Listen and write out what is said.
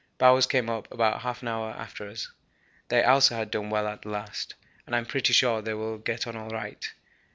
Bowers came up about half an hour after us. They also had done well at the last, and I'm pretty sure they will get on all right.